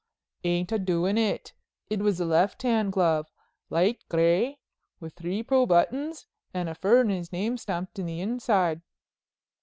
"Ain't I doin' it? It was a left hand glove, light gray with three pearl buttons and a furrener's name stamped in the inside."